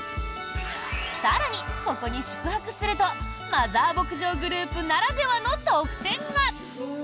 更に、ここに宿泊するとマザー牧場グループならではの特典が。